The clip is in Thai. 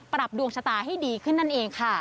ดวงชะตาให้ดีขึ้นนั่นเองค่ะ